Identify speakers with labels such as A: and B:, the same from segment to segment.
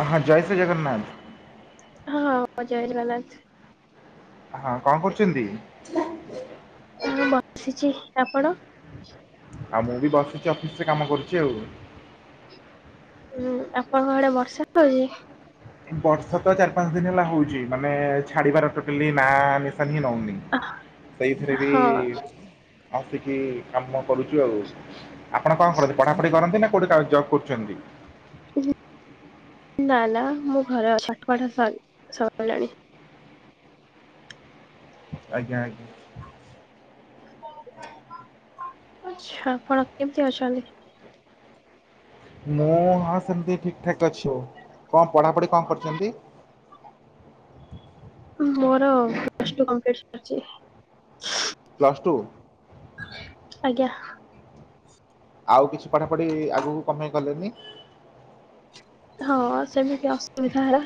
A: ଅ ହଁ ଜୟ ଶ୍ରୀ ଜଗନ୍ନାଥ।
B: ହଁ ହଁ ଜୟ ଜଗନ୍ନାଥ।
A: ହଁ କଣ କରୁଛନ୍ତି?
B: ମୁଁ ବସିଚି ଆପଣ?
A: ଆଉ ମୁଁ ବି ବସିଛି ଅଫିସ ରେ କାମ କରୁଚି ଆଉ।
B: ହୁଁ ଆପଣଙ୍କ ଆଡେ ବର୍ଷା ହଉଚି?
A: ବର୍ଷା ତ ଚାରି ପାଞ୍ଚ ଦିନ ହେଲା ହଉଚି ମାନେ ଛାଡିବାର ଟୋଟାଲି ନା ନିଶା ହିଁ ନଉନି। ସେଇଥିରେ ବି
B: ହଁ
A: ଆସିକି କାମ କରୁଚୁ ଆଉ। ଆପଣ କଣ କରନ୍ତି ପଢାପଢି କରନ୍ତି ନା କୋଉଠି କ ଜବ୍ କରୁଛନ୍ତି?
B: ଉମ୍ ନା ନା ମୁଁ ଘରେ ଅଛି ପାଠ ପଢ଼ା ସ ସରି ସରିଲାଣି।
A: ଆଜ୍ଞା ଆଜ୍ଞା।
B: ଆଛା ଆପଣ କେମିତି ଅଛନ୍ତି?
A: ମୁଁ ହଁ ସେମିତି ଠିକ୍ ଠାକ୍ ଅଛି ଆଉ। କଣ ପଢ଼ାପଢି କଣ କରିଛନ୍ତି?
B: ମୋର ପ୍ଲସ ଟୁ କଂପ୍ଲିଟ୍ ସରିଚି।
A: Plus two.
B: ଆଜ୍ଞା।
A: ଆଉ କିଛି ପଢାପଢି ଆଗକୁ କପାଇଁ କଲେନି?
B: ହଁ ସେମିତି ଅସୁବିଧା ହେଲା।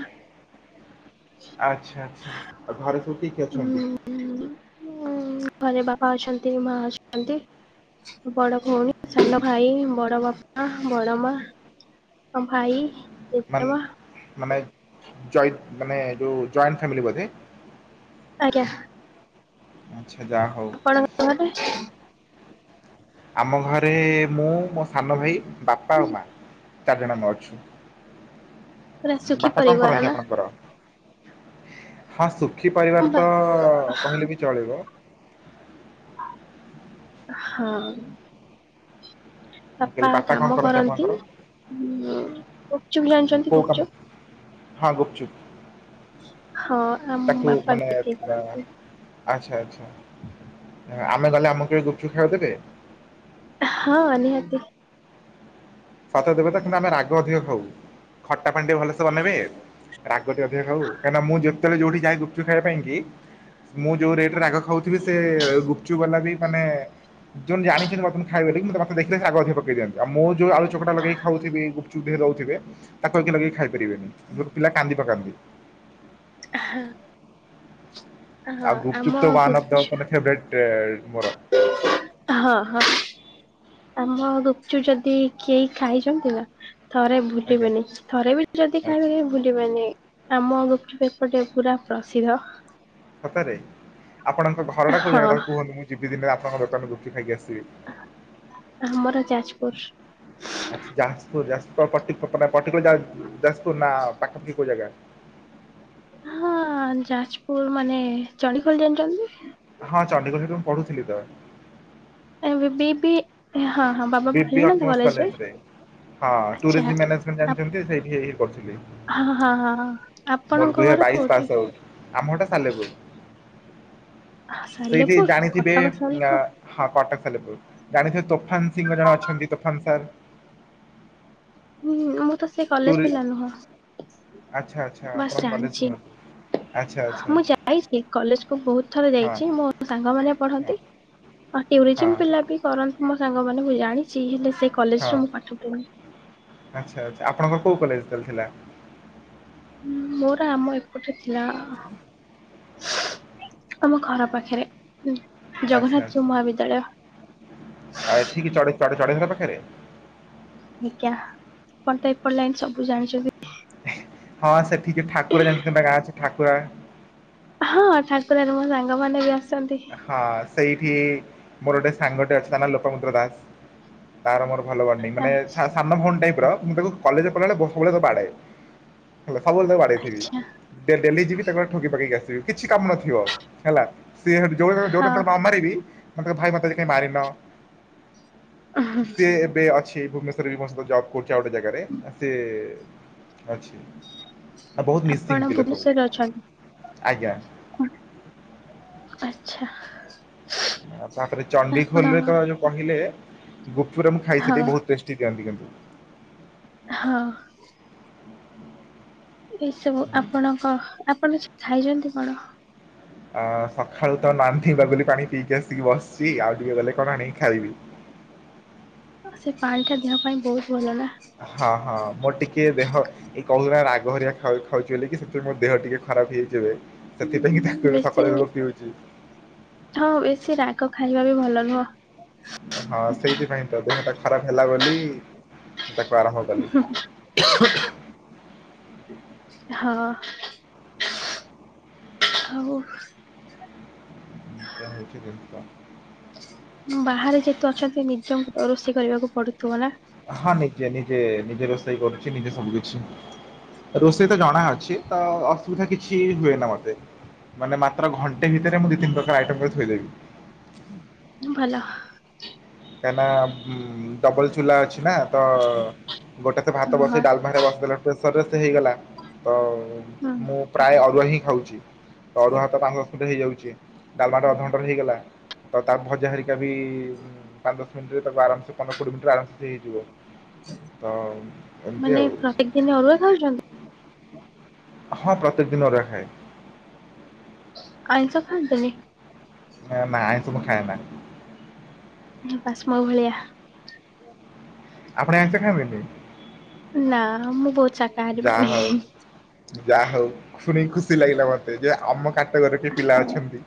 A: ଆଚ୍ଛା ଆଚ୍ଛା ଘରେ ସବୁ କିଏ କିଏ ଅଛନ୍ତି?
B: ହୁଁ। ହୁଁ ଉମ୍ ଘରେ ବାପା ଅଛନ୍ତି, ମା ଅଛନ୍ତି ଆଉ ବଡ ଭଉଣୀ।
A: ଆଚ୍ଛା
B: ସାନ ଭାଇ ବଡ ବାପା ବଡ ମା ଆ ଭାଇ। ଜେଜେମା
A: ମାନେ ମାନେ ଜଏ ମାନେ ଯୋଉ ଜଏଣ୍ଟ ଫ୍ୟାମିଲୀ ବୋଧେ?
B: ଆଜ୍ଞା।
A: ଆଚ୍ଛା ଯା ହଉ।
B: ଆପଣଙ୍କ ଘରେ?
A: ଆମ ଘରେ ମୁଁ ମୋ ସାନ ଭାଇ ବାପା ଆଉ ମା ଚାରିଜଣ ଆମେ ଅଛୁ।
B: ପୁରା ସୁଖୀ
A: ବାପା କଣ
B: ପରିବାର
A: କରନ୍ତି
B: ନା?
A: ଆପଣଙ୍କର? ହଁ ସୁଖୀ
B: ହଁ
A: ପରିବାର
B: ବା
A: ତ କହିଲେ ବି ଚଳିବ।
B: ହଁ।
A: ମୁଁ
B: ବାପା
A: କହିଲି କଣ
B: କାମ କରନ୍ତି
A: ଆପଣଙ୍କର
B: ଉଁ ଗୁପଚୁପ୍ ଜାଣିଛନ୍ତି
A: କୋଉ କାମ
B: ଗୁପଚୁପ୍।
A: ହଁ ଗୁପଚୁପ୍।
B: ହଁ ଆମ
A: ତାକୁ
B: ବାପା
A: ମାନେ
B: ବିକ୍ରି
A: ବା
B: କରନ୍ତି।
A: ଆଚ୍ଛା ଆଚ୍ଛା ଆ ଆମେ ଗଲେ ଆମକୁ କେବେ ଗୁପଚୁପ ଖାଇବାକୁ ଦେବେ?
B: ହଁ ନିିହାତି।
A: ସତରେ ଦେବେ ତ କିନ୍ତୁ ଆମେ ରାଗ ଅଧିକ ଖାଉ ଖଟା ପାଣି ଟେ ଭଲସେ ବନେଇବେ। ରାଗ ଟିକେ ଅଧିକା ଖାଉ କାଇଁ ନା ମୁଁ ଯେତେବେଳେ ଯୋଉଠି ଯାଏ ଗୁପଚୁପ୍ ଖାଇବା ପାଇଁ କି। ମୁଁ ଯୋଉ ରେଟ ରେ ରାଗ ଖାଉଥିବି ସେ ଗୁପଚୁପ୍ ବାଲା ବି ମାନେ ଯୋଉ ଜାଣିଛନ୍ତି [unintelligible] ଖାଏ [unintelligible] ତ ମତେ ଦେଖିଲେ ସେ ରାଗ ଅଧିକ ପକେଇଦିଅନ୍ତି ଆଉ ମୁଁ ଯୋଉ ଆ ଚକଟା ଲଗେଇ ଖାଉଥିବି ଗୁପଚୁପ ଟିକେ ଦଉଥିବେ ତାକୁ ଏମିତି ଲଗେଇ ଖାଇ ପାରିବେନି ପିଲା କାନ୍ଦି ପକାନ୍ତି।
B: ଆ ହଁ। ହଁ
A: ଆଉ
B: ଆମ
A: ଗୁପଚୁପ ତ ୱାନ୍ ଅଫ ଦ
B: ଗୁପଚୁ
A: ମାନେ ଫେଭରେଟେ ମୋର।
B: ହଁ ହଁ। ଆମ ଗୁପଚୁପ ଯଦି କେହି ଖାଇଛନ୍ତି ନା। ଥରେ
A: ଆଜ୍ଞା
B: ଭୁଲିବେନି ଥରେ ବି ଯଦି
A: ଆଚ୍ଛା
B: ଖାଇବେ କେହି ଭୁଲି ପାରିବେନି ଆମ ଗୁପଚୁପ ଏପଟେ ପୁରା ପ୍ରସିଦ୍ଧ।
A: ସତରେ ଆପଣଙ୍କ ଘରଟା କୋଉ ଜାଗା
B: ହଁ
A: ଟା କହନ୍ତୁ? ମୁଁ ଯିବି ଦିନେ ଆପଣଙ୍କ ଦୋକାନରୁ ଗୁପଚୁପ ଖାଇକି ଆସିବି।
B: ଆ ଆମର ଯାଜପୁର।
A: ଆଚ୍ଛା ଯାଜପୁର ଯାଜ ପ-ପ-ପଟି ତ ତମେ ପଟିକୁଲାର ଯା-ଯାଜପୁର ନା ପାଖାପାଖି କୋଉ ଜାଗା?
B: ହଁ ଯାଜପୁର ମାନେ ଚଣ୍ଡିଖୋଲ ଜାଣିଛନ୍ତି?
A: ହଁ ଚଣ୍ଡିଖୋଲ ସେଠି ମୁଁ ପଢୁଥିଲି ତ।
B: ଆ ବି ବି ହଁ ହଁ ବାବା
A: ବିବି
B: ଭୈରାନନ୍ଦ
A: ଅଟମୋସ୍
B: କଲେଜ ରେ।
A: କଲେଜରେ ହଁ ଟୁରିଜମ୍ ମାନେଜମଣ୍ଟ ଜାଣିଛନ୍ତି? ସେଇଠି କରୁଥିଲି।
B: ହଁ ହଁ ହଁ ହଁ। ଆପଣଙ୍କ ଘର
A: ବାଇଶ
B: କୋଉଠି?
A: ପାସ୍ ଆଉଟ୍ ଆମ ଘରଟା ସାଲେପୁର। ସେଇଠି
B: ସାଲେପୁର
A: ଜାଣିଥିବେ
B: କଟକ
A: ଆ
B: ସାଲେପୁର
A: ହଁ କଟକ ସାଲେପୁର ଜାଣିଥିବେ ତୋଫାନ ସିଂଘ ଜଣେ ଅଛନ୍ତି। ତୋଫାନ ସାର୍।
B: ହୁଁ ମୁଁ ତ ସେ କଲେଜ
A: ଟୁରି
B: ପିଲା ନୁହଁ।
A: ଆଚ୍ଛା ଆଚ୍ଛା
B: ବାସ୍
A: ଆପଣ କଲେଜ
B: ଜାଣିଛି
A: ନୁହଁନ୍ତି।
B: ମୁଁ ଯାଇଛି କଲେଜ କୁ ବହୁତ ଥର
A: ହଁ
B: ଯାଇଛି ମୋ ସାଙ୍ଗ ମାନେ
A: ହଁ
B: ପଢନ୍ତି। ଆ
A: ହଁ
B: ଟ୍ୟୁରିଜିମ ପିଲା ବି କରନ୍ତି ମୋ ସାଙ୍ଗ ମାନେ ମୁଁ ଜାଣିଛି ହେଲେ ସେ
A: ହଁ
B: କଲେଜରେ ମୁଁ ପାଠ ପଢ଼େନି।
A: ଆଚ୍ଛା ଆଚ୍ଛା ଆପଣଙ୍କର କୋଉ କଲେଜ ତାହାଲେ ଥିଲା?
B: ଉଁ ମୋର ଆମ ଏପଟେ ଥିଲା ଆ। ତମ ଘର ପାଖରେ ଉଁ ଜଗନ୍ନାଥ
A: ଆଚ୍ଛା
B: ଯୋଉ
A: ଆଚ୍ଛା
B: ମହାବିଦ୍ୟାଳୟ
A: ଆ ଏଠିକି ଚଢ ଚଢ଼ ଚଢ଼େଇ [unintelligible] ପାଖରେ।
B: ଆଜ୍ଞା ଆପଣ ତ ଏପଟ ଲାଇନ ସବୁ ଜାଣିଛନ୍ତି।
A: ହଁ ସେଠି କି ଠାକୁର ଜାଣିଛନ୍ତି ନା ଗାଁ ଅଛି ଠାକୁରା।
B: ହଁ ଠାକୁରାରେ ମୋ ସାଙ୍ଗମାନେ ବି ଆସନ୍ତି।
A: ହଁ ସେଇଠି ମୋର ଗୋଟେ ସାଙ୍ଗଟେ ଅଛି ତା ନା ଲୋପାମୁଦ୍ରା ଦାସ। ତାର ମୋର ଭଲ ବଣ୍ଡିଙ୍ଗ୍ ମାନେ ସା-ସାନ ଭଉଣୀ ଟାଇପ ର ମୁଁ ତାକୁ କଲେଜରେ ପଢିଲା ବେଳେ ବ ସବୁବେଳେ ତାକୁ ବାଡାଏ ହେଲା ସବୁବେଳେ ତାକୁ ବାଡେଇଥିବି।
B: ଆଚ୍ଛା
A: ଡେ-ଡେଲି ଯିବି ତାକୁ ଆଁ ଠୋକିଁ ପକେଇ ଆସିବି କିଛି କାମ ନଥିବ ହେଲା। ସିଏ ସେଇଠୁ ଯୋଉ ଦିନ ଯୋଉ ଦିନ
B: ହଁ।
A: ତାକୁ ନ ମାରିବି ମୋତେ କହିବ ଭାଇ ମତେ ଆଜି କାହିଁ ମାରିନ? ସିଏ ଏବେ ଅଛି ଭୁବନେଶ୍ଵରରେ ବି ମୋ ସହିତ ଜବ। କରୁଚି ଆଉ ଗୋଟେ ଜାଗାରେ ଆ ସିଏ ଅଛି। ଆଉ ବହୁତ ମିସିଙ୍ଗ
B: ଆପଣ
A: ପିଲା ସବୁ
B: ଭୁବନେଶ୍ଵରରେ ଅଛନ୍ତି
A: ଆଜ୍ଞା।
B: ଆଚ୍ଛା।
A: ଆଉ ତାପରେ
B: ଆପଣ
A: ଚଣ୍ଡିଖୋଲ ରେ ତ ଯୋଉ କହିଲେ ଗୁପଚୁପ ଗୁରା ମୁଁ ଖାଇଚି
B: ହଁ
A: ସେଠି ବହୁତ ଟେଷ ତୀ କାଆନ୍ତି କିନ୍ତୁ।
B: ହଁ। ଏଇ ସବୁ ଆପଣଙ୍କ, ଆପଣ ଆଜି ଖାଇଚନ୍ତି କଣ?
A: ଆ ସକାଳୁ ତ ନାନ୍ଧି ବାଗୁଲି ପାଣି ପିଇକି ଆସିକି ବସିଛି। ଆଉ ଟିକେ ଗଲେ, କଣ ଆଣିକି ଖାଇବି।
B: ଆ, ସେ ପାଣିଟା ଦେହ ପାଇଁ ବହୁତ ଭଲ ନା।
A: ହଁ, ହଁ ମୋର ଟିକେ ଦେହ। ଏଇ, କହୁଥିଲି ରାଗ ହରିଆ ଖାଉ, ଖାଉଛି ବୋଲି କି ସେଥିପାଇଁ, ମୋ ଦେହ ଟିକେ ଖରାପ ହେଇଛି ଏବେ। ସେଥିପାଇଁ କି ତାକୁ ସକାଳୁ,
B: ବେଶୀ
A: ସକାଳୁ ଏବେ ପିଉଚି।
B: ହଁ, ବେଶୀ ରାଗ ଖାଇବା ବି ଭଲ ନୁହଁ।
A: ହଁ, ସେଇଥିପାଇଁ ତ ଦେହ ଟା ଖରାପ ହେଲା ବୋଲି, ମୁଁ ତାକୁ ଆରମ୍ଭ କଲି। ହ [inaudible]
B: ହଁ, ଆଉ।
A: ଏଆ ହଉଚି ଜିନିଷ।
B: ବାହାରେ ଯେହେତୁ ଅଛନ୍ତି ନିଜଙ୍କୁ ରୋଷେଇ କରିବାକୁ ପଡୁଥିବ ନା।
A: ହଁ ନିଜେ, ନିଜେ, ନିଜେ, ରୋଷେଇ କରୁଛି ନିଜେ ସବୁ କିଛି। ରୋଷେଇ ତ ଜଣା ଅଛି, ତ ଅସୁବିଧା କିଛି ହୁଏ ନା ମତେ। ମାନେ ମାତ୍ର ଘଣ୍ଟେ ଭିତରେ ମୁଁ ଦି, ତିନ ପ୍ରକାର ଆଇଟମ କରିକି ଥୋଇଦେବି।
B: ଭଲ।
A: କାଇଁ ନା ଉଁ‌ ଡବଲ ଚୁଲା ଅଛି ନା ତ। ଗୋଟେ ସେ ଭାତ
B: ହୁଁ
A: ବସେଇ ଡାଲମା ଘଟିକା ବସେଇଦେଲେ ପ୍ରେସରରେ ସେ ହେଇଗଲା ତ ମୁଁ। ପ୍ରାୟ ଅରୁଆ ହିଁ ଖାଉଛି ତ ଅରୁଆ ଭାତ ପାଞ୍ଚ ଦଶ ମିନିଟ ହେଇଯାଉଛି ଡାଲମାଟ ଅଧଘଣ୍ଟାରେ ହେଇଗଲା। ତ ତାର ଭଜା ହରିକା ବି ପାଞ୍ଚ ଦଶ ମିନିଟରେ ତାକୁ ଆରାମ ପନ୍ଦର କୋଡିଏ ମିନିଟରେ ଆରାମସେ ସେ ହେଇଯିବ। ତ ଏମିତି
B: ମାନେ
A: ଆଉ
B: ପ୍ରତ୍ୟେକ ଦିନ ଅରୁଆ ଖାଉଛନ୍ତି।
A: ହଁ ପ୍ରତ୍ୟେକ ଦିନ ଅରୁଆ ଖାଏ।
B: ଆଇଁଷ ଖାଆନ୍ତିନି।
A: ନା ନା ଆଇଁଷ ମୁ ଖାଏନା।
B: ଆଛା ମୋ ଭଳିଆ।
A: ଆପଣ ଆଇଁଷ ଖାଆନ୍ତିନି।
B: ନା ମୁଁ ବହୁତ ସା
A: ଯା ହଉ ଯା ହଉ ଶୁଣି କି ଖୁସି ଲାଗିଲା ମତେ ଯେ ଆମ କାଟ ଗୋରି ର କିଏ ପିଲା ଅଛନ୍ତି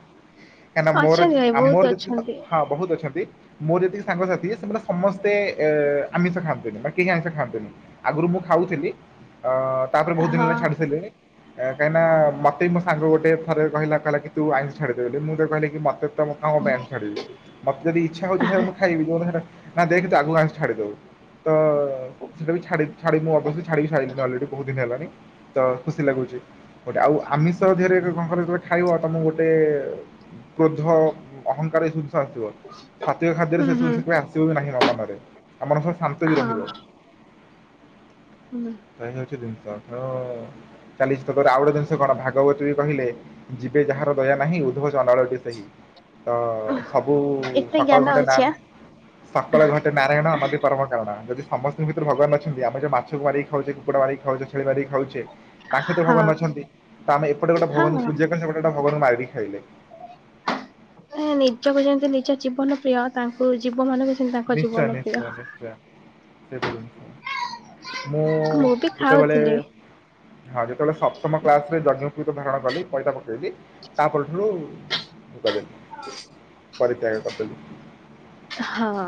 A: କାଇଁ ନା ମୋର ଯେ
B: ଅଛନ୍ତି ଭାଇ
A: ଆ
B: ବହୁତ
A: ମୋର ଯେତିକି ସା
B: ଅଛନ୍ତି
A: ହଁ ବହୁତ ଅଛନ୍ତି। ମୋର ଯେତିକି ସାଙ୍ଗସାଥି ସେମାନେ ସମସ୍ତେ ଏ ଆମିଷ ଖାଆନ୍ତିନି ବା କେହି ଆମିଷ ଖାଆନ୍ତିନି। ଆଗରୁ ମୁଁ ଖାଉଥିଲି ଅ ତାପରେ ବହୁତ ଦିନ ହେଲାଣି
B: ହଁ
A: ଛାଡି‌ସାରିଲିଣି। କାହିଁକି ନା, ମତେ ମୋ ସାଙ୍ଗ ଗୋଟ ଥରେ କହିଲା, କହିଲା କି ତୁ ଆଇଁଷ ଛାଡ଼ିଦେ ବୋଲି‌ ମୁଁ ତାକୁ କହିଲି କି ମତେ। ତ ମୁଁ କଣ ପାଇଁ ଆଇଁଷ ଛଡିବି ମତେ ଯଦି ଇଛା ହଉଛି ଖାଇବାକୁ ମୁଁ ଖାଇବି ଯୋଉ ଦିନ। ନା ଦେଖ ତୁ, ଆଗକୁ ଆଇଁଷ ଛାଡି ଦବୁ ତ ସେଟା ବି ଛାଡ଼ି ଛାଡିକି, ମୁଁ ଅବଶ୍ୟ ଛାଡିକି। ସାରିଲିଣି ଅଲରେଡି ବହୁତ ଦିନ ହେଲାଣି ତ ଖୁସି ଲାଗୁଛି ଗୋଟେ ଆଉ ଆମିଷ ଧିଅରେ ଏବେ କଣ କହିଲ ଯେତେବେଳେ ଖାଇବ। ତମକୁ ଗୋଟେ କ୍ରୋଧ ଅହଂଙ୍କାର ଏସବୁ ଜି ନିଶ ଆସିବ ସାତ୍ବିକ ଖାଦ୍ୟରେ
B: ହୁଁ
A: ସେ ସବୁ
B: ହୁଁ
A: ଜିନିଷ କେବେ ଆସିବ ବି ନାହିଁ ମନରେ ଆଉ ମନ ସବୁ ବେଳେ ଶାନ୍ତ ବି ରହିବ।
B: ହଁ ବା।
A: ତ ଏଇ ହଉଛି ଜିନିଷ ତ ଚାଲିଛି ତାର ଆଉ ଗଟେ ଜିନିଷ କଣ ଭାଗବତୀ ବି କହିଲେ। ଯିବେ ଯାହାର ଦୟା ନାହିଁ ଉଦ୍ଧବ ଚଣ୍ଡାଳ ଟି ସେହି। ତ ସବୁ
B: ଏତେ
A: ସକାଳ
B: ଜ୍ଞାନ
A: ଘଟେ ନା
B: ଅଛି
A: ସକାଳେ ଘଟେ ‌ ନାରାୟଣ ଅନଦୀ ପରମ କାରଣ ଯଦି ସମସ୍ତଙ୍କ ଭିତରେ ଭଗବାନ ଅଛନ୍ତି ଆମେ ଯୋଉ ମାଛକୁ ମାରିକି ଖାଉଛେ। କୁକୁଡ଼ା ମାରିକି ଖାଉଛେ ଛେଳି ମାରିକ ଖାଉଛେ ତାଙ୍କ ଭିତରେ
B: ଆଁ
A: ଭଗବାନ ଅଛନ୍ତି ତ ଆମେ ଏପଟେ ଗୋଟେ
B: ହଁ
A: ଭଗବାନ ଙ୍କୁ
B: ହଁ।
A: ପୂଜା। ପୁଣି ସେପଟେ ଗୋଟା ଭଗବାନଙ୍କୁ ମାରିକି ଖାଇଲେ ‌।
B: ଏ ନିଜକୁ ଯେମିତି ନିଜ ଜୀବନ ପ୍ରିୟ ତାଙ୍କୁ ଜୀବ ମାନଙ୍କୁ। ସେମିତି ତାଙ୍କ
A: ନିଶ୍ଚୟ
B: ଜୀବନ ପ୍ରିୟ।
A: ନିଶ୍ଚୟ ନିଶ୍ଚୟ ସେ ତ ଜିନିଷ। ମୁଁ
B: ବି
A: ଯେତେବେଳେ।
B: ଖାଉଥିଲି
A: ହଁ ଯେତେବେଳେ ସପ୍ତମ କ୍ଲାସ ରେ ଯଜ୍ଞ ପୂତ ଧାରଣ କଲି ପଇତା ପକେଇଲି ତାପଠାରୁ। ହୁଁ କରେ
B: ହଁ।
A: ପରିତ୍ୟାଗ କରିଦଥିଲି।
B: ହଁ।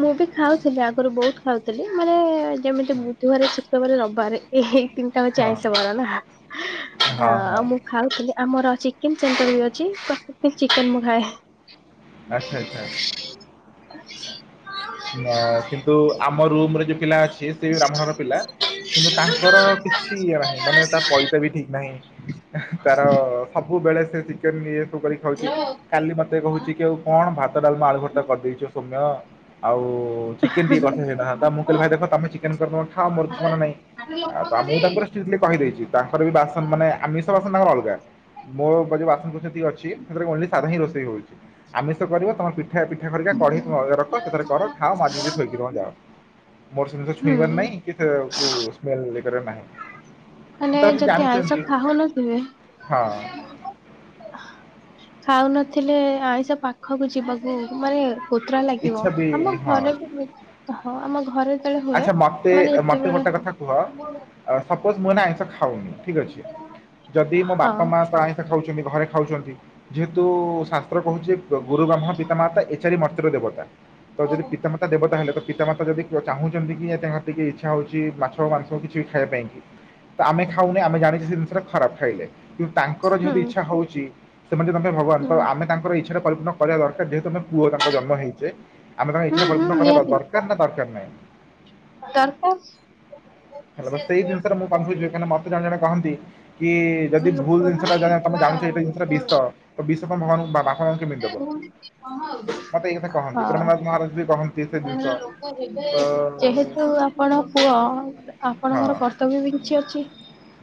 B: ମୁଁ ବି ଖାଉଥିଲି ଆଗରୁ ବହୁତ ଖାଉଥିଲି ମାନେ ଯେମିତି
A: ହୁଁ,
B: ବୁଧବାର ଚି ବାରେ, ରବି ବାରେ, ଏଇ ତିନିଟା ହେଉଛି ଆଇଁଷ ବାର ନା,
A: ହଁ ହଁ ହଁ
B: ଆଉ ମୁଁ ଖାଉଥିଲି ଆମର ଚିକେନ୍ ସେଣ୍ଟର ବି ଅଛି ପ୍ରତକ ଦିନ ଚିକେନ୍ ମୁଁ ଖାଏ।
A: ଆଚ୍ଛା ଆଚ୍ଛା। ନା କିନ୍ତୁ ଆମ ରୁମରେ ଯୋଉ ପିଲା ଅଛି ସେ ବ୍ରାହ୍ମଣ ଘର ପିଲା, କିନ୍ତୁ ତାଙ୍କର କିଛି ଇଏ ନାହିଁ ମାନେ ତା ପଇତା ବି ଠିକ୍ ନାହିଁ। ତାର ସବୁବେଳେ ସେ ଚିକେନ୍ ଇଏ ସବୁ କରିକି ଖାଉଛି କାଲି ମତେ କହୁଛି କି ଆଉ କଣ ଭାତ ଡାଲମା, ଆଳୁ ଭର୍ତା କରିଦେଇଛ ସୌମ୍ୟ ଆଉ ଚିକେନ୍ ଟିକେ କରି ଥିଲେ ହେଇଥାନ୍ତା, ମୁଁ କହିଲି ଭାଇ ଦେଖ ତମେ ଚିକେନ୍ କରିନ ଖାଅ ମୋର କିଛି ମାନ ନାଇଁ, ଆ ମୁ ତାଙ୍କ ଷ୍ଟ୍ରିଟ୍ଲି କହିଦେଇଛି ତାଙ୍କର ବି ବାସନ ମାନେ ଆମିଷ ବାସନ ତାଙ୍କର ଅଲଗା ମୋଉ ବାସନ କୁସନ ଅଛି ସେଥିରେ ସାଧା ହିଁ ଖାଲି ରୋଷେଇ ହଉଛି। ଆମିଷ କରିବ ତମ ପ ପିଠା ପିଠା କରିକା କଢେଇ ରଖ ସେଥିରେ କର ଖାଅ ମାଜି ମଜି ଥୋଇକି ତମର ଯାଓ। ମୋର ସେମିତି
B: ହୁଁ
A: ଛୁଇଁବାର ନାହିଁ। କି ସ୍ମେଲ କରିବାର ନାହିଁ।
B: ମାନେ
A: ତାପରେ ସେ
B: ଜଦୀ ଆଇଁଷ
A: ଜାଣିଛନ୍ତି
B: ଖାାଉ ନ ଥିବେ
A: ହଁ।
B: ଖାଉନଥିଲେ ଆଇଁଷ ପାଖକୁ ଯିବାକୁ ଭଏ କୋତ୍ରା ଲାଗିବ।
A: ଇଚ୍ଛା ବି
B: ଆମ
A: ହଁ।
B: ଘରେ ବି ହଁ ଆମ ଘରେ ଯେତେବେଳେ ହୁଏ
A: ଆଚ୍ଛା ମତେ
B: ମାନେ
A: ମତେ
B: ଯେତେବେଳେ
A: ଗୋଟେ କଥା କୁହ ସପୋଜ ମୁଁ ଏନା ଆଇଁଷ ଖାଉନି, ଠିକ୍ ଅଛି, ଯଦି ମୋ
B: ହଁ
A: ବାପା ମା ତ ଖାଉଛନ୍ତି ଘରେ ଖାଉଛନ୍ତି, ଯେହେତୁ ଶାସ୍ତ୍ର କହୁଛି ଗୁରୁ ବ୍ରହ୍ମ ପିତାମାତା ମତ୍ର ଦେବତା ତ ଯଦି ପିତାମାତା ଦେବତା ହେଲେ ତ ପିତାମାତା ଯଦି ଚାହୁଁଛନ୍ତି କି ଯେ ତାଙ୍କର ଟିକେ ଇଚ୍ଛା ହଉଛି ମାଛ ମାଂସ କିଛି ଖାଇବା ପାଇଁ କି ତ ଆମେ ଖାଉନି ଆମେ ଜାଣିଛ ସେ ଜିନିଷଟା ଖରାପ ଖାଇଲେ କିନ୍ତୁ ତାଙ୍କର
B: ହୁଁ
A: ଯେହେତୁ ଇଚ୍ଛା ହଉଛି ସେମାନେ ଯ ତମେ ଭଗବାନ
B: ହୁଁ
A: ତ ଆମେ ତାଙ୍କର ଇଚ୍ଛା ପରିପୂର୍ଣ୍ଣ କରିବା ଦରକାର ଯେହେତୁ, ଆମେ ତାଙ୍କ ପୁଅ ଜନ୍ମ ହେଇଛେ, ଆମେ ତାଙ୍କ
B: ହୁଁ
A: ଇଚ୍ଛା
B: ହୁଁ
A: ପରିପୂର୍ଣ କରିବା
B: ନିହାତି
A: ଦରକାର କର ନା ଦରକାର ନାହିଁ?
B: ଦରକାର।
A: ହେଲା ବା ସେଇ ଜିନିଷରେ ମୁଁ କନଫ୍ୟୁଜ୍, କାହିଁକି ନା ମତେ ଜଣ ଜଣ କହନ୍ତି କି ଯଦି ଭୁଲ୍ ଜିନିଷଟା ତମେ ଜାଣୁଛ ଏଇ ଜିନିଷଟା ବିଷ ତ ବିଷ କଣ ଭଗବାନଙ୍କୁ ବାପା ମା ଙ୍କୁ କେମିତି ଦବ? ମତେ ଏଇ କଥା କହନ୍ତି ପ୍ରେମରାଜ
B: ହଁ
A: ମହାରାଜ ବି କହନ୍ତି ସେ ଜିନିଷ।
B: କାହିଁକିନା ଲୋକ
A: ହଁ
B: ଯେହେତୁ ଆପଣ ପୁଅ ଆପଣଙ୍କର କର୍ତ୍ତବ୍ୟ ବି କିଛି ଅଛି?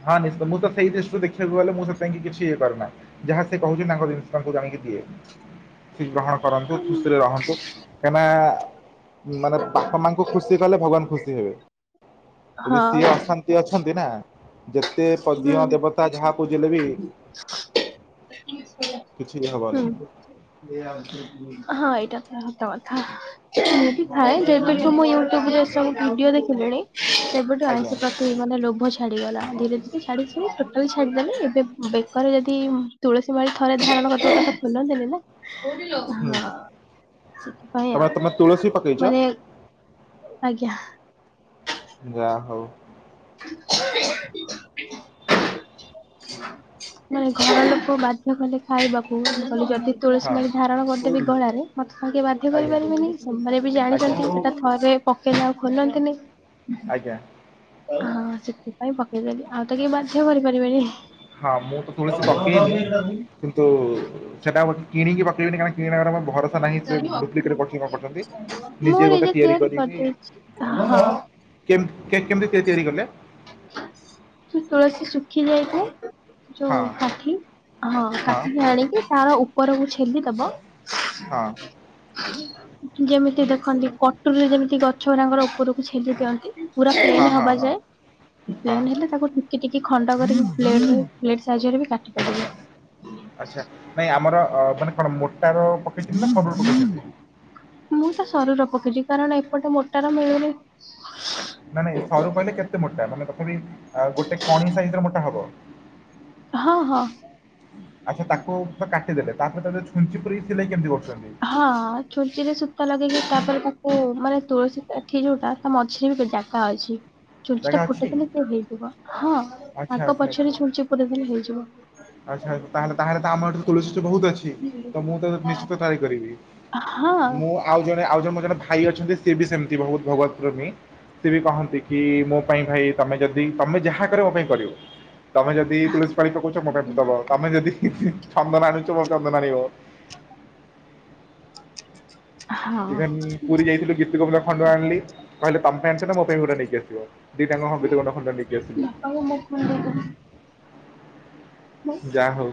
A: ହଁ ନିଶ୍ଚିତ। ମୁଁ ତ ସେଇ ଦୃଷ୍ଟିରୁ ଦେଖିବାକୁ ଗଲେ ମୁଁ ସେଥିପାଇଁ କି କିଛି ଇଏ କରେନା। ଯାହା ସେ କହୁଛି ତାଙ୍କ ଜିନିଷ ତାଙ୍କୁ ଆଣିକି ଦିଏ। ସେ ଗ୍ରହଣ କରନ୍ତୁ ଖୁସିରେ ରହନ୍ତୁ, କାହିଁକିନା ମାନେ ପା ତାଙ୍କୁ ଖୁସି କଲେ ଭଗବାନ ଖୁସି ହେବେ, ଯଦି
B: ହଁ
A: ସିଏ ଅଶାନ୍ତି ଅଛନ୍ତି ନା ଯେତେ ପା
B: ହୁଁ
A: ଦିଅଁ ଦେବତା ଯେତେ ପୂଜିଲେ ବି କିଛି ଇଏ
B: ହୁଁ।
A: ହବନି
B: ହଁ ଏଇଟା ତ ସତ କଥା ଏଇତି ଥାଏ ଯେହେତୁ ମୁ ଇଉ ଟିୟୁବ ରେ ଭିଡିଓ ଦେଖିଲିଣି, ସେବେଠୁ
A: ଆଜ୍ଞା
B: ଆଇଁଷି ପ୍ରତି ମାନେ ଲୋଭ ଛାଡିଗଲା। ଧୀରେ ଧୀରେ ଛାଡୁଛି ଟୋଟାଲି ଛାଡ଼ିଦେଲେ ଏବେ ବେକରେ ଯଦି ତୁଳସୀ ମାଳି ଥରେ ଧାରଣ କରିଦବ ଖୋଲ ନ୍ତିନି ନା। କୋଉଠି ଲୋ?
A: ହୁଁ
B: ହଁ ସେଥିପାଇଁ
A: ତମେ
B: ଆଉ।
A: ତମେ ତୁଳସୀ ପକେଇଛ
B: ମାନେ ଆଜ୍ଞା।
A: ଯା ହଉ।
B: ମାନେ ଘର ଲୋକ ବାଧ୍ୟ କଲେ ଖାଇବାକୁ କହିଲେ ଯଦି ତୁଳସୀ
A: ହଁ
B: ମାଳି ଧାରଣ କରିଦେବି ଗଳାରେ ମଦେ ତାଙ୍କେ
A: ଆଜ୍ଞା
B: କରିପାରିବେନି ସେମାନେ ବି
A: ଆଜ୍ଞା
B: ଜାଣିଛନ୍ତି ସେଟା ଥରେ ପକେଇଲେ ଆଉ ଖୋଲନ୍ତିନି
A: ଆଜ୍ଞା
B: ହଁ ସେଥିପାଇଁ ପକେଇଦେଲି ଆଉ ତ କେହି ବାଧ୍ୟ କରିପାରିବେନି
A: ହଁ ମୁଁ ତ ତୁଳସୀ ପକେଇନି କିନ୍ତୁ ସେଟା କିଣିକି ପକେଇବନି କାହିଁକିନା କିଣିକି ଭରଷା ନାହିଁ ସେ ଡୁ୍ପ୍ଲିକେଟ ଦିଆରି କରୁଛନ୍ତି କି କଣ ନିଜେ ଗୋଟେ ତିଆରି କରିବି
B: ହଁ
A: କେମିତି ତିଆରି କଲେ
B: ତୁଳସୀ ଶୁଖି ଯାଇଥାଏ ଯୋଉ
A: ହଁ
B: କାଠି ହଁ କାଠିକି ଆଣିକି ତାର ଉପରକୁ ଛେଲିଦବ
A: ହଁ
B: ଯେମିତି ଦେଖନ୍ତି କଟୁରୀରେ ଯେମିତି ଗଛ ଗାଙ୍କର ଉପରକୁ ଛିେଲି ଦିଅନ୍ତି ପୁରା ପ୍ଲେନ୍
A: ହଁ ହଁ
B: ହବା
A: ହଁ
B: ଯାଏ
A: ହଁ
B: ପ୍ଲେନ୍ ହେଲେ ତାକୁ ଟିକି ଟିକି ଖଣ୍ଡ କରିବି ସହଜରେ ବି କାଟି ପାରିବି
A: ଆଚ୍ଛା ନାଇଁ ଆମର ଅ ମାନେ କଣ ମୋଟାର ପକେଇଛନ୍ତି ନା ସରୁ ପକେଇଛନ୍ତି
B: ମୁଁ ତ ସରୁର ପକେଇଛି କାରଣ ଏପଟେ ମୋଟା ର ମିଳୁନି
A: ନାଇଁ ନାଇଁ ସରୁ କହିଲେ କେତେ ମୋଟା ମାନେ ତଥାପି ଗୋଟେ କଣି ସାଇଜ ର ମୋଟା ହବ
B: ହଁ ହଁ
A: ଆଚ୍ଛା ତାକୁ ପୁରା କାଟିଦେଲେ ତାପରେ ତା ଛୁଞ୍ଚି ପୁର ଇ ସିଲେଇ କେମିତି କରୁଛନ୍ତି
B: ହଁ ଛୁଞ୍ଚିରେ ସୂତା ଲଗେଇକି ତା ପରେ ତାକୁ ମାନେ ତୁଳସୀ କାଠି ଯୋଉଟା ତା ମଝିରେ ବି ଜାଗା ଅଛି ଛୁଞ୍ଚି
A: ଜାଗା
B: ତା
A: ଅଛି
B: ଫୁଟେଇଦେଲେ ସେ ହେଇଯିବ ହଁ
A: ଆଚ୍ଛା
B: ଆଗ
A: ଆଚ୍ଛା ଆଚ୍ଛା।
B: ପଛରେ ଛୁଞ୍ଚି ପୁରେଇଦେଲେ ହେଇଯିବ
A: ଆଚ୍ଛା ତା ହେଲେ ତ ଆମର ଏଠି ତୁଳସୀ ବହୁତ ଅଛି ତ ମୁଁ ତ ନିଶ୍ଚିତ ତାଳି କରିବି
B: ହଁ
A: ମୁଁ ଆଉ ଜଣେ ଆଉ ଜଣେ ମୋ ଜଣେ ଭାଇ ଅଛନ୍ତି ସିଏ ବି ସେମିତି ବହୁତ ଭାଗବତ ପ୍ରେମୀ ସେ ବି କହନ୍ତି କି ମୋ ପାଇଁ ଭାଇ ତମେ ଯଦି ତମେ ଯାହା କରିବ ମୋ ପାଇଁ କରିବ। ତମେ ଯଦି ତୁଳିସୀ ମାଳି ପକଉଛ ମୋତେ ଗୋଟେ ଦବ ତମେ ଯଦି ଚନ୍ଦନ ଆଣୁଛ ମୋ ଚନ୍ଦନ ଆଣିବ
B: [unintelligible] ହଁ।
A: ଇଭେନ୍ ପୁରୀ ଯାଇଥିଲୁ ଗୀତୀ ଖଣ୍ଡଆ ଆଣିଲି କହିଲେ ତମ ପାଈଁ ଆଣିଛି ନା ମୋପାଇଁ ଗୋଟେ ନେଇକି ଆସିବ। ଦି ଟା [inaudible] ଖଣ୍ଡ ନେଇକି ଆସିଲି।
B: ହ [inaudible]
A: ଯା ହଉ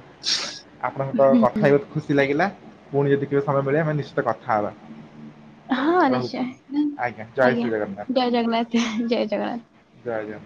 A: ଆପଣଙ୍କର
B: ହୁଁ
A: କଥା ଖୁସି ଲାଗିଲା ପୁଣି ଯଦି କେବେ ସମୟ ମିଳେ ଆମେ ନିଶ୍ଚିତ କଥା ହବା।
B: ହଁ
A: ରହୁଛି।
B: ନିଶ୍ଚୟ
A: ଜୟ ଶ୍ରୀ
B: ଆଜ୍ଞା ଜୟ ଜଗନ୍ନାଥ ଜୟ ଜଗନ୍ନାଥ।
A: ଯା ଯା